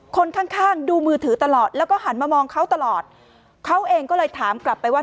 คนข้างข้างดูมือถือตลอดแล้วก็หันมามองเขาตลอดเขาเองก็เลยถามกลับไปว่า